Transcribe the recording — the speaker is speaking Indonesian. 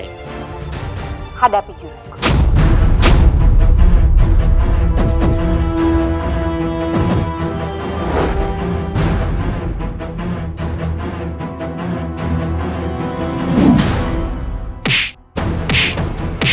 kepada ketiga dukun santri